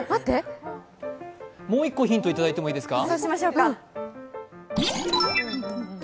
もう１個ヒントいただいていいですか？